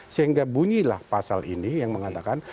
sehingga bunyilah pasal ini yang mengatakan